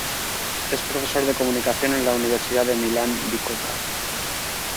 Es profesor de comunicación en la Universidad de Milán-Bicocca.